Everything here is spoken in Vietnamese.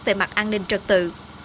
về mặt an ninh trật tự